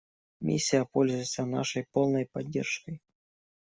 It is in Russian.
Миссия пользуется нашей полной поддержкой.